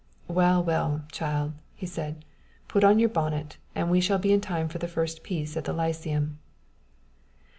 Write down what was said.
"Well, well, child!" he said; "put on your bonnet, and we shall be in time for the first piece at the Lyceum."